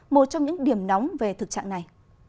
một trong những điểm nóng về thực trạng này